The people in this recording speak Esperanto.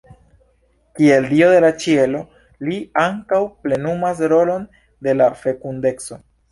Kiel dio de la ĉielo li ankaŭ plenumas rolon de la fekundeco.